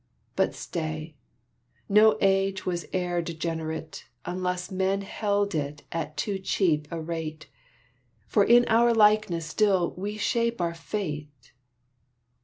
But stay! no age was e'er degenerate, Unless men held it at too cheap a rate, For in our likeness still we shape our fate.